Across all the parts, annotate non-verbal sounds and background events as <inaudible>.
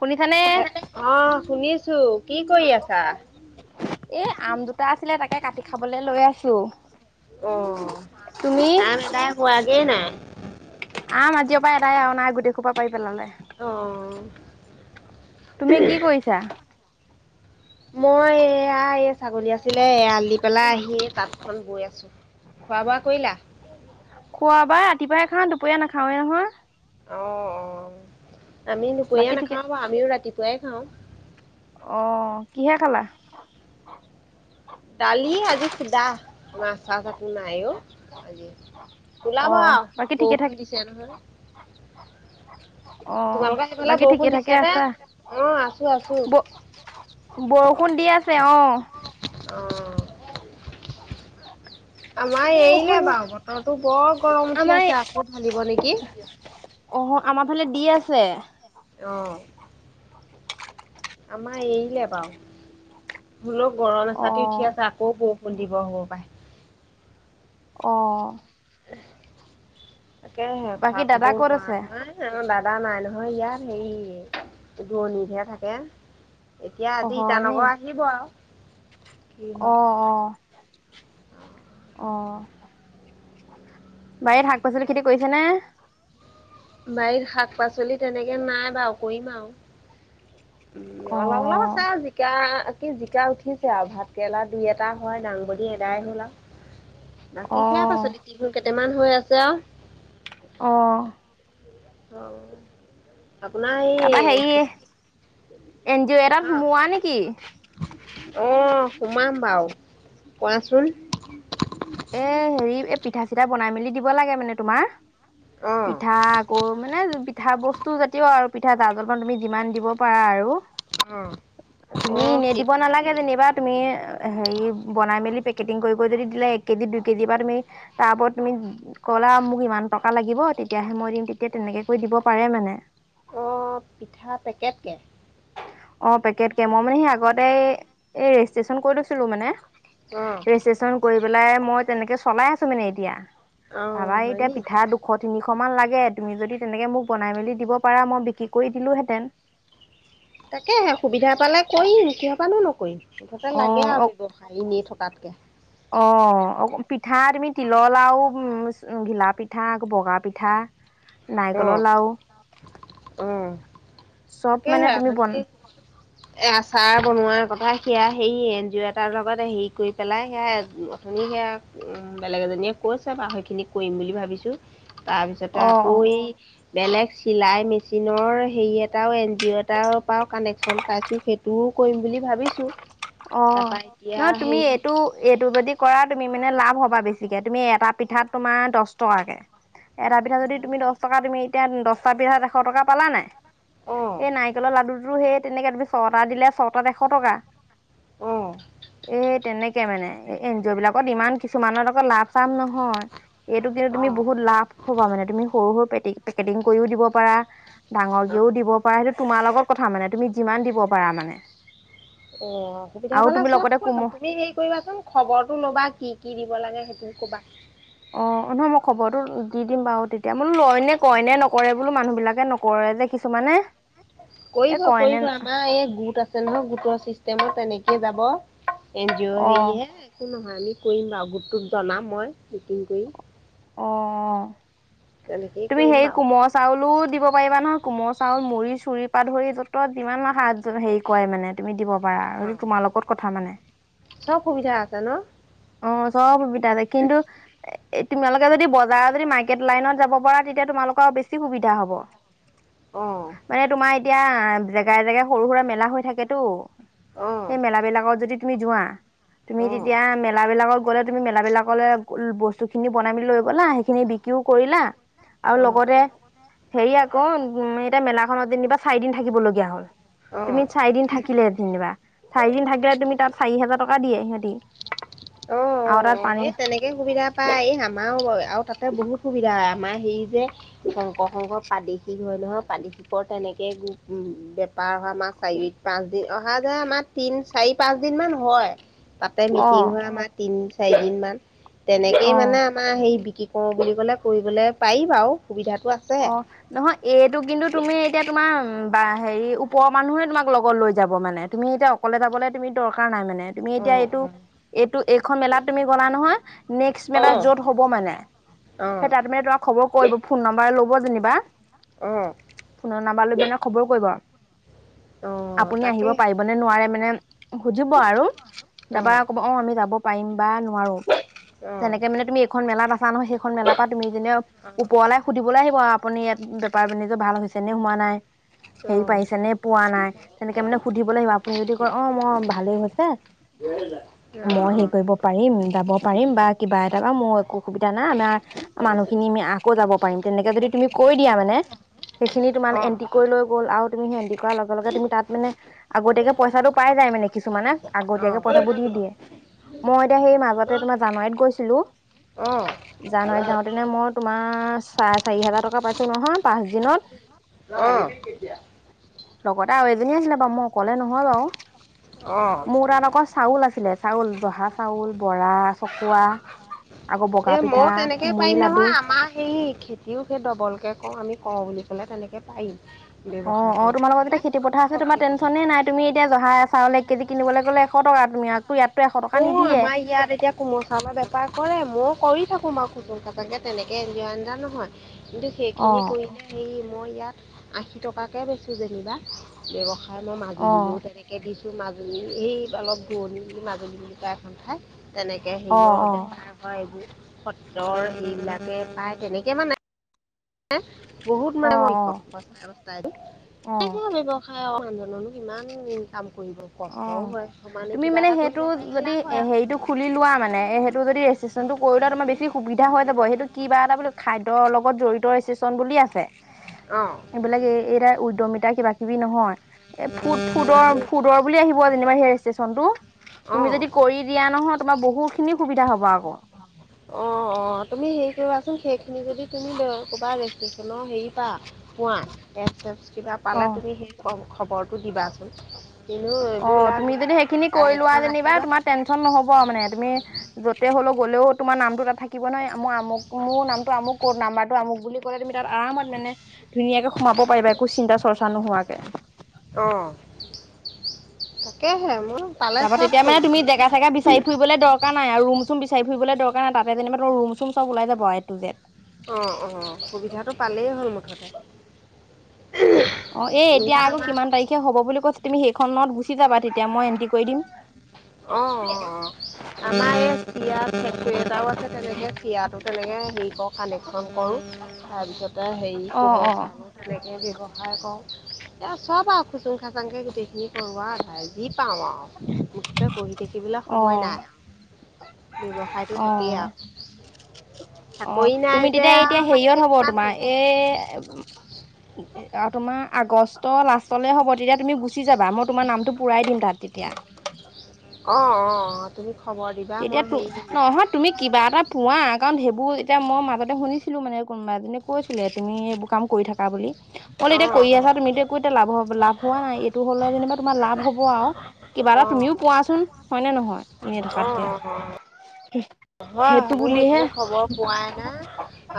শুনিছানে অ', শুনিছো কি কৰি আছা? এ, আম দুটা আছিলে তাকে কাটি খাবলৈ লৈ আছোঁ। অ', আম এদাই হোৱাগে নাই? আম আজিৰ পা এদাই আৰু নাই, গোটেইসোপা পাৰি পেলালে। অ'। তুমি কি কৰিছাঁ। মই এইয়া এই ছাগলী আছিলে, এৰাল দি পেলাই আহি তাত তাঁতখন বৈ আছোঁ। খোৱা বোৱা কৰিলা? খোৱা-বাই ৰাতিপুৱাই খাওঁ, দুপৰীয়া নাখাওঁৱেই নহয়। অ', অ' আমি বাকী দুপৰীয়া ঠিকে নাখাও বাৰু, আমিও ৰাতিপুৱাই খাওঁ। অ', কিহে খালা? দালি, আজি সুদা, মাছ-চাচ একো নাই অ' আজি। অ উলাবা বাকী ঠিকে থাক বৰষুণ দিছে নহয়। <inaudible> হয় অ', বাকী ঠিকে থাকে নে? আছাঁ? অ', আছো আছো ব বৰষুণ দি আছে, অ'। অ'। আমাৰ বৰষুণ এৰিলে বাৰু বতৰটো বৰ গৰম উঠি আমাৰ আছে, আকৌ ঢালিব নেকি? অ', আমাৰ ফালে দি আছে। অ'। আমাৰ এৰিলে বাৰু, হোলেও গৰম অ এচাতি উঠি আছে আকৌ বৰ দিব হ'ব পায়। অ'। তাকেহে বাকী দাদা খা-খবৰও ক'ত লোৱা আছে নাই। এ, আমাৰ দাদা নাই নহয় ইয়াত, হেৰি দূৰণিতহে থাকে। এতিয়া অ আজি হয় নি ইটানগৰ আহিব আও, কি অ হয়। অ অ'। বাৰীত শাক-পাচলি খেতি কৰিছে নে? বাৰীত শাক-পাচলি তেনেকে নাই বাৰু কৰিম আওঁ। উম, অলপ অলপ অ', আছে আও জি জিকা, কি জিকা উঠিছে আৰু ভাতকেৰেলা দুই এটা হয়, দাংবদী এদাই হ'ল আওঁ। বাকী সেয়া অ'। পাচলি, তিহু কেইটামান হৈ আছে আও। অ'। অ'। আপোনাৰ তাৰপা হেৰি এই, এন জি এটাত অ' সোমোৱা নেকি? অ', সোমাম বাৰু কোৱাচোন। এ, হেৰি এ, পিঠা-চিঠা বনাই মেলি দিব লাগে মানে তোমাৰ, অ'। পিঠা কৌ, মানে পিঠা বস্তু জাতীয় আৰু পিঠা জা-জলপান তুমি যিমান দিব পাৰা আৰু। তুমি অ', ইনে দিব সেইটোহে নালাগে নেকি? যেনিবা, তুমি হেৰি বনাই মেলি পেকেটিং কৰিব যদি দিলে, এক কেজি দুই কেজিৰ পৰা তুমি তাৰ ওপৰত তুমি ক'লা মোক ইমান টকা লাগিব তেতিয়াহে মই দিম তেতিয়া তেনেকে কৰি দিব পাৰে মানে। অ', পিঠা পেকেটকে অ পেকটকে মই মানে সেই আগতে ৰেজিষ্ট্ৰচন কৰি লৈছিলো মানে। অ। ছেচন কৰি পেলাই মই তেনেকে চলাই আছো মানে এতিয়া অ', আমাৰ হয় এতিয়া নি? পিঠা দু শ তিনিশমান লাগে তুমি যদি তেনেকৈ মোক বনাই মেলি দিব পাৰা মই বিক্ৰী কৰি দিলোহেঁতেন। তাকেহে সুবিধা পালে কৰিম কিয়বানো নকৰিম মুঠতে অ লাগে অ আৰু ব্য ৱসায় এনে থকাতকৈ। অ পিঠা তুমি তিলৰ লাৰু উম ঘিলা পি পিঠা আকৌ বগা পিঠা নাৰিকলৰ লাৰু উম চব মানে তাকেহে তুমি বন <unintelligible> এ আচাৰ বনোৱাৰ কথা সেয়া সেই এন জি অ' এটাৰ লগত হেৰি কৰি পেলাই সেয়া অথনি সেয়া বেলেগ এজনীয়ে কৈছে বাৰু সেইখিনি কৰিম বুলি ভাবিছো তাৰপিছতে অ অ কি বেলেগ চিলাই মেচিনৰ হেৰি এটাও এন জি অ' এটাৰ পৰাও কানেকচন পাইছো সেইটো মইও কৰিম বুলি ভাবিছো। অ নহয় তুমি এইটো এইটো যদি কৰা তুমি মানে লাভ হ'বা বেছিকে তুমি এটা পিঠাত তোমাৰ দহ টকাকে। এটা পিঠাত যদি তুমি দহ টকা তুমি এতিয়া দহটা পিঠাত এশ টকা পালা নাই। অঁ এই নাৰিকলৰ লাডুটো সেই তেনেকে তুমি ছটা দিলে ছটাত এশ টকা। অঁ এ তেনে কে মানে এন জি অ' বিলাকত ইমান কিছুমানৰ আকৌ লাভ চাভ নহয়। এইটো কিন্তু তুমি বহুত অঁ লাভ হবা মানে তুমি সৰু সৰু পেকেটিং কৰিও দিব পাৰা। ডাঙৰকেও দিব পাৰা সেইটো তোমাৰ লগত কথা মানে তুমি যিমান দিব পাৰা মানে। অ অসুবিধা আৰু পালা তুমি চব লগতে কোম কৰিম তুমি হেৰি কৰিবাচোন খবৰটো ল'বা কি কি দিব লাগে সেইখিনি ক'বা। অ নহয় মই খবৰটো দি দিম বাৰু তেতিয়া, মই বোলো লয় নে কয় নে নকৰে বোলো মানুহ বিলাকে নক ৰে যে কিছুমানে। এ কৰিব কয় নে কৰিব আমাৰ এই গোট আছে নহয় গোটৰ চিষ্টেমত তেনেকে যাব। এন জি অ' হেৰিহে একো নহয় আমি কৰিম বাৰু গোটটোত জনাম মই মিটিং কৰি। অ অ। তেনেকেই তুমি কৰিম হেৰি কোম বাৰু ল চাউলো দিব পাৰিবা নহয় কোমল চাউল মুড়ি চুৰি পৰা ধৰি য'ত যিমান দিব নহয় হাত হেৰি কয় মানে তুমি দিব পাৰা আৰু অঁ এইটো তোমাৰ লগত কথা মানে। চব সুবিধা আছে ন? অ চব সুবিধা আছে কিন্তু, এ তোমালোকে যদি বজাৰত যদি মাৰ্কেট লাইনত যাব পাৰা তেতিয়া তোমালোকৰ বেছি সুবিধা হ'ব। অ। মানে তোমাৰ এতিয়া জেগাই, জেগাই সৰু সুৰা মেলা হৈ থাকেতো। অঁ সেই মেলা বিলাকত যদি তুমি যোৱা, তুমি তেতিয়া অঁ মে লা বিলাকত গ'লে তুমি মেলা বিলাকলৈ বস্তু খিনি বনাই মি লৈ গ'লা সেইখিনি বিক্ৰীও কৰিলা। আৰু অঁ লগতে হেৰি আকৌ উম এতিয়া মেলাখনত যেনিবা চাৰিদিন থাকিব লগীয়া হ'ল। তুমি অঁ চাৰিদিন থাকিলে যেনিবা, চাৰিদিন থাকিলে তুমি তাত চাৰি হোজাৰ টকা দিয়ে সিহঁতি। আৰু তাত পানী এনেকে সুবিধা পায় এই আমাৰো আৰু তাতে বহুত সুবিধা হয় আমাৰ হেৰি যে শংকৰ সংঘৰ প্ৰাদেশিক হয় নহয়, প্ৰাদেশিকৰ তেনেকে, উম, বেপাৰ হয়, আমাৰ চাৰিআলিত। পাঁচদিন, অহা-যোৱাই আমাৰ, তিন, চাৰি, পাঁচ দিনমান হয়। তাতে অ মিটিং হয় আমাৰ, তিন চাৰি, দিন মান, তেনেকেই অ মানে তোমাৰ হেৰি, বিক্ৰী কৰোঁ বুলি ক'লে, কৰিবলৈ পাৰি বাৰু। সুবিধাটো আছে অ'। নহয়, এইটো কিন্তু তুমি এতিয়া তোমাৰ বা হেৰি, ওপৰৰ মানুহে তোমাক লগত লৈ যাব মানে, তুমি এতিয়া অকলে যাবলৈ তুমি দৰকাৰ নাই মানে। তুমি অ এতিয়া অ এইটো, এইটো এইখন মেলাত তুমি গ'লা নহয়, নেক্সট মেলাত য'ত হ'ব মানে, অ অ সেই তাত মানে তোমাক খবৰ কৰিব, ফোন নাম্বাৰ ল'ব যেনিবা। অ ফোনৰ নাম্বাৰ লৈ পিনে, খবৰ কৰিব। অ আপুনি আহিব তাকে পাৰিব নে নোৱাৰে মানে, সুধিব আৰু। অ অ তাৰপৰা ক'ব অ', আমি যাব পাৰিম বা নোৱাৰোঁ, অ তেনেকে মানে তুমি সেইখন মেলাত আছা নহয়, সেইখন মেলা পৰা তুমি যেনে ওপৰলাই সুধি বলৈ, আহিব আপুনি ইয়াত বেপাৰ-বাণিজ্য ভাল হৈছে নে হোৱা নাই, অ হেৰি পাইছে নে পোৱা নাই। তেনেকে মানে সুধিবলৈ আহিব, আপুনি যদি কয়, অ', মই ভালেই হৈছে। <inaudible> মই অ হেৰি কৰিব পাৰিম, যাব পাৰিম, বা কিবা এটা বা একো অসুবিধা নাই, আমাৰ মানুহখিনি আমি আকৌ যাব পাৰিম, তেনেকে যদি তুমি কৈ দিয়া মানে, সেইখিনি তোমাৰ এন্ট্ৰি কৰি লৈ গ'ল আৰু তুমি সেই কৰাৰ লগে, লগে, তুমি তাত মানে আগতীয়াকে পইচাটো পাই যায় মানে কিছুমানে। আগতীয়াকে পইচাবোৰ দি দিয়ে, মই এতিয়া সেই মাজতে, তোমাৰ জানুৱাৰীত গৈছিলোঁ। অ'। জানুৱাৰীত যাওঁতেনে, মই তোমাৰ চাৰে চাৰি হাজাৰ টকা পাইছোঁ নহয়, পাঁচ দিনত। অ'। লগতে আৰু এজনী আছিলে বাৰু, মই অকলে নহয় বাৰু। মোৰ তাত আকৌ চাউল আছিলে, চাউল, জহা চাউল, বৰা, চকোৱা। এ মইয়ো তেনেকেই পাৰিম লাডু নহয়, আমাৰ সেই খে খেতিও সেই ডবলকে কৰোঁ, আমি কৰোঁ বুলি ক'লে তেনেকে পাৰি। অ', অ', তোমালোকৰ যেতিয়া খেতি পথাৰ আছে, তোমাৰ কৰিব পাৰিম টেনচনেই নাই। তুমি এতিয়া জহা চাউল এক কেজি কিনিবলৈ গ'লে এশ টকা, তোমাকতো ইয়াতটো এশ টকা অঁ নিদিয়ে। আমাৰ ইয়াত এতিয়া কোমল চাউলৰ বেপাৰ কৰে, মইয়ো কৰি থাকোঁ বাৰু, খুচুং-খাসাংকে তেনেকে অঞ্জিও আনদাৰত নহয়। কিন্তু অ সেইখিনি কৰিলে, হেৰি মই ইয়াত, আশী টকাকে বেছোঁ যেনিবা। ব্যৱসায় মই অ মাজুলীলৈয়ো তেনেকে দিছোঁ, এই অলপ দুৰণি মাজুলী দুটা সন্থাই, তেনেকে অ হেৰিয়ৰ বেপাৰ <unintelligible> সত্ৰৰ হেৰি বিলাকে পাই তেনেকে মানে। <unintelligible> বহুত অ মানে অ <unintelligible> অ অ মনোহজনেনো কিমান ইনকাম কৰিব। অ কষ্টও হয়, সমানে তুমি কিবা মানে এটা সেইটো কৰিব পাৰিলে যদি লাভ হয় আৰু। হেৰিটো খুলি লোৱা মানে এই টো যদি এচিচটেন্টতো কৰি লোৱা, তোমাৰ বেছি সুবিধা হৈ যাব, সেইটো কিবা এটা বো খাদ্যৰ লগত জড়িত এচিষ্ট চন বুলি আছে। অ'। এইবিলাক এই এইাৰ উদ্যমিতা কিবা-কিবি নহয়, এ ফুড, ফুডৰ, ফুডৰ বুলি আহিব যেনিবা সেই ৰেইছট্ৰেচনটো, তুমি অ'। যদি কৰি দিয়া নহয় তোমাৰ বহুত খিনি সুবিধা হ'ব আকৌ। অ' অ' তুমি হেৰি কৰিবাচোন সেইখিনি যদি তুমি ক'বা ৰেষ্ট্ৰ্যনৰ হেৰি পা। পোৱা, এপছ চেপ অ কিবা তুমি সেই খবৰটো দিবাচোন। কিন্তু এইবোৰ অ' লাগ তুমি যদি সেইখিনি কৰি লোৱা কানেকশ্যন যেনিবা ৰাখিবা তোমাৰ টেনচন নহব আৰু মানে তুমি। যতে হ'লেও গ'লেও তোমাৰ নামটো এটা থাকিব নহয় মোৰ আমোক মোৰ নামটো আমুক কত নাম্বাৰটো আমুক বুলি। লে তুমি তাত আৰামত মানে ধুনীয়াকে সোমাব পাৰিবা একো চিন্তা চৰ্চা নোহোৱাকে। অ' তাকেহে মই পালে চপ কৰিম। ফুৰিলৈ দৰকাৰ নাই আৰু ৰুম চুম বিচাৰি ফুৰিবলৈ দকাৰ নাই তাতে যেনিবা তোৰ ৰুম চম চব ওলাই যাব এ টো জেড। অঁ অঁ সুবিধাটো পালেই হ'ল মুঠতে। অ এ এতিয়া ইয়াত আকৌ আমাৰ কিমান তাৰিখে হ'ব বুলি কৈছ তুমি সেইখনত গুচি যাবা তেতিয়া মই এণ্ট্ৰি কৰি দিম। অ' অ' অ'। আমাৰ এই চিৰা ফেক্টী এটাও আছে তেনেকে চিৰা তেনেকে হেৰি কৰ কালেকচন কৰো। তাৰপিছতে হেৰি অ কোমল অ চাউল তেনেকে ব্যৱসায় কৰো। এ চব আৰু খুচুং খাজাং কে গোটেই খিনি কৰোৱাধাই যি পাওঁ আৰু। <unintelligible> তথাপে বহি থাকিবলৈ অ সময় নাই আৰু ব্যৱসায়টো অ থাকেই আৰু। চাকৰি অ' নাই তুমি যে তেতিয়া এতিয়া আৰু মালিকে হেৰিয়ত হ'ব কিমান তোমাৰ কৰিব এই তোমাৰ আগষ্ট লাষ্টলে হ'ব তেতিয়া তুমি গুচি যাবা মই তোমাৰ নামটো পুৰাই দিম তাত। তেতিয়া। অ অ তুমি খবৰ দিবা তেতিয়া মই তো হেৰি নহয় তুমি কিবা এটা পোৱা কাৰণ সেইবোৰ এতিয়া মই মাজতে শুনিছিলো মানে কোনোবা এজনীয়ে কৈছিল তুমি এইবোৰ কাম কৰি থাকা বুলি। অললে অ এতিয়া কৰি আছা তুমিতো একো এতিয়া লাভ হোৱা নাই এইটো হলে যেনিবা তোমাৰ লাভ হব আৰু। কিবা এটা অ অ তুমিও পোৱাচোন, হয় নে নহয় এনে থকাত থাকি। অ' অ'। <unintelligible> হয় সেইটো মোৰ বুলিহে এইপিনে খবৰ পোৱাই নাই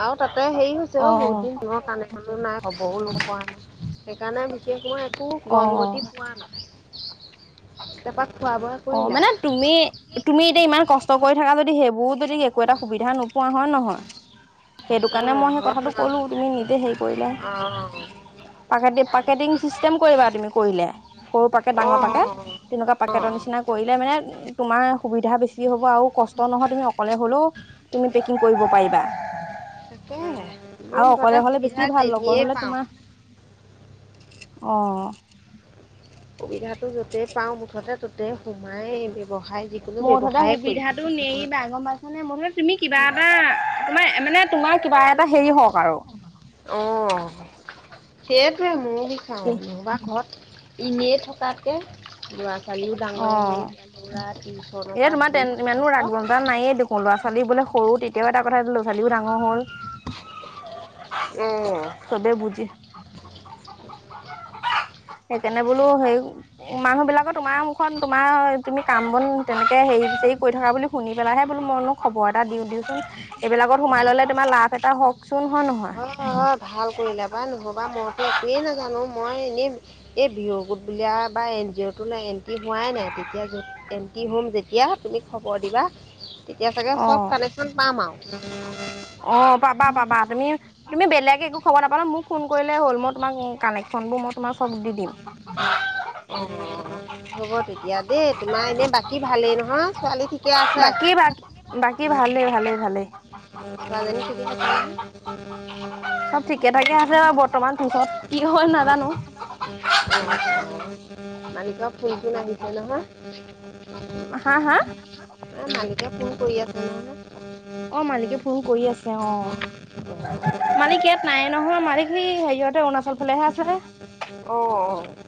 আৰু তাতে হেৰি হৈছে অ বহুত দিন তোম। কানেকশ্বনও নাই খবৰো নোপোৱা সেইকাৰণে বিশেষ মই। একো অ গম গতি পোৱা নাই, টাপা খোৱা বোৱা অ কৰিলা? মানে তুমি তুমি এতিয়া ইমান কষ্ট কৰি থাকা যদি সেইবোৰ যদি একো এটা সুবিধা নোপোৱা হয় নহয়। সেইটো কাৰণে উম, মই সেই ঘৰত কথাটো নাই। কলো তুমি নিদে হেৰি কৰিলে। অ পাকেটিং চিষ্টেম কৰিবা তুমি কৰিলে। সৰু পাকেট অ ডাঙৰ পাকেত তেনেকুৱা অ অ পাকেতৰ নিচিনা কৰিলে মানে তোমাৰ সুবিধা বেছি হব আৰু কষ্ট নহয় তুমি অকলে হ'লেও। তুমি পেকিং কৰিব অ পাৰিবা। তাকেহে। মই আৰু মুঠতে অকলে হ'লে সুবিধা বেছি ভাল লগৰ যেনিয়ে হ'লে পাওঁ। তোমাৰ অ। সুবিধাটো য'তেই পাও মুঠতে ত'তেই সোমাই ব ব্যৱসায়। যিকোনো মোৰ মুঠতে ব্যৱসায়ে কৰিম। সুবিধাটো নেৰিবা গম পাইছা। মানে মধে তুমি কিবা এটা তোমাৰ মানে তোমাৰ কিবা এটা হেৰি হওঁক আৰু। অ সেইটোৱে ময় বিখাওঁ এ নহবা ঘৰত ইনেই থকাতকে ল'ৰা ছোৱালীও ডাঙৰ হ'ল তেওঁ লৰা ই। এ তোমাৰ তে ইমানো ৰাগ জঞ্জাল নাইয়ে। মোৰ ল'ৰা ছোৱালী বোলে সৰু তেতিয়াও এটা কথা, টো ল'ৰা ছোৱালীও ডাঙৰ হ'ল। অ। চবে বুজি <unintelligible> সেইকাৰণে বোলো হেই মানুহ বিলাকৰ তোমাৰ মুখ তোমাৰ তুমি কাম বন তেনেকে হেৰি হেৰি কৰি থকা বুলি শুনি পেলাইহে বোলো মইনো খবৰ এটা দিওঁ দিওঁচোন এইবিলাকত অ সোমাই ললে তোমাৰ লাভ এটা হওঁকচোন, হয় নে নহয়? অ ভাল কৰিলা বা নহবা মইতো একোৱেই নাজানো। মই এনেই এই ভিঅ' গোত বুলি আৰু এবাৰ এন জি অ' তোলে এণ্ট্ৰি হোৱাই নাই, তেতিয়া য'ত এণ্ট্ৰি হ'ম যেতিয়া তুমি খবৰ দিবা তেতিয়া চাগে অ চব কানেক্সন পাম আৰু। অ' পাবা পাবা, তুমি তুমি বেলেগে একো খবৰ নাপালেও মোক ফোন কৰিলে হ'ল। মই তোমাক কানেকশ্যনবোৰ মই তোমাক চব দি দিম। অ হ'ব তেতিয়া দেই, তোমাৰ এনে বাকী ভালেই নহয়? ছোৱালী ঠিকে আছে বাকী বাক, বাকী ভালেই ভালে ভালেই। ছোৱালীজানী ঠিকে আছে নহয়? চব ঠিকে ঠাকে আছে বৰ্তমান, পিছত কি হয় অ নাজানো। অ' মালিকৰ ফোন-চোন আহিছে নহয়? হা? হা? অ মালিকে ফোন কৰি আছে নহয়? অ মালিকে ফোন কৰি আছে অ'। মালিক ইয়াত নায়ে নহয়, মালিক হেৰিয়াতে অৰুণাচল ফালেহে আছে। অ অ। <inaudible>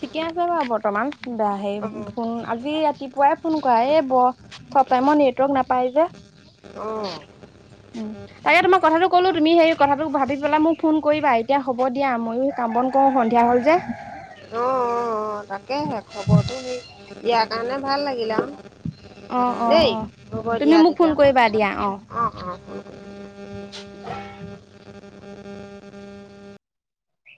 ঠিকে আছে বাৰু বৰ্তমান বা সেই অ', অ', ফোন আজি ৰাতিপুৱাই ফোন কৰা, এই ব চব টাইমত নেটৱৰ্ক নাপাই যে। অ'। উম তাকে তোমাক কথাটো ক'লো তুমি সেই কথাটো ভাবি পেলাই মোক ফোন কৰিবা, এতিয়া হ'ব দিয়া ময়ো কাম বন কৰোঁ সন্ধিয়া হ'ল যে। অ-অ-অ তাকেহে খবৰটো দিয়াৰ কাৰণে ভাল লাগিলা অ আৰু। অ অ দেই হ'ব তুমি দিয়া মোক ফোন তেতিয়া কৰিবা দিয়া অ হ'লে <unintelligible> অ' অ'। <unintelligible>